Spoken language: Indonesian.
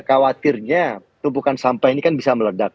khawatirnya tumpukan sampah ini kan bisa meledak